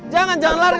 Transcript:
jangan jangan lari